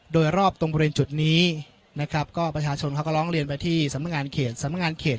โดยรอบตรงบริเวณจุดนี้นะครับก็ประชาชนเขาก็ร้องเรียนไปที่สำงานเขต